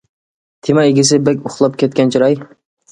تېما ئىگىسى بەك ئۇخلاپ كەتكەن چىراي.